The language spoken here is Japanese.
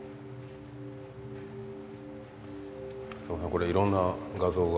これいろんな画像が。